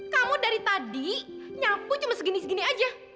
kamu dari tadi nyapu cuma segini segini aja